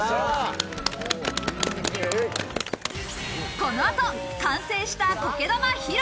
この後、完成した苔玉披露。